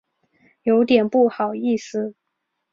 有点不好意思